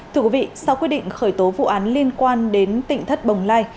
thưa quý vị sau quyết định khởi tố vụ án liên quan đến tỉnh thất bồng lai